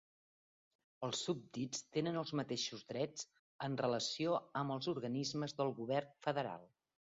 Els súbdits tenen els mateixos drets, en relació amb els organismes del govern federal.